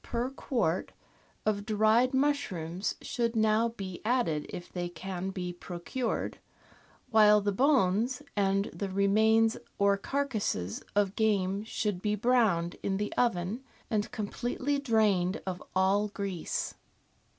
per quart of dried mushrooms should now be added if they can be procured, while the bones and the remains or carcases of game should be browned in the oven and com pletely drained of all grease.